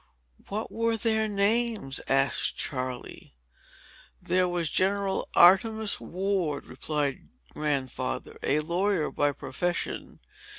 "What were their names?" asked Charley. "There was General Artemas Ward," replied Grandfather, a "lawyer by profession.